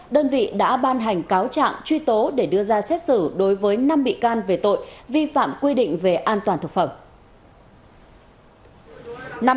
đơn vị đã ban hành cáo trạng truy tố để đưa ra xét xử đối với năm bị can về tội vi phạm quy định về an toàn thực phẩm